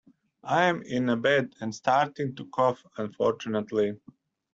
I'm in bed and starting to cough, unfortunately.